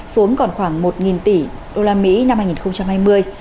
xuống còn khoảng một tỷ usd năm hai nghìn hai mươi